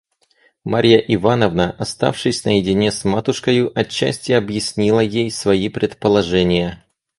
Марья Ивановна, оставшись наедине с матушкою, отчасти объяснила ей свои предположения.